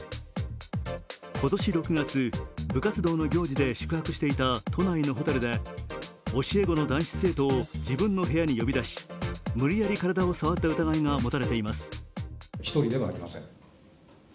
今年６月、部活動の行事で宿泊していた都内のホテルで教え子の男子生徒を自分の部屋に呼び出し無理やり体を触った疑いが持たれています。